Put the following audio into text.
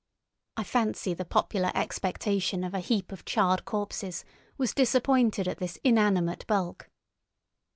I fancy the popular expectation of a heap of charred corpses was disappointed at this inanimate bulk.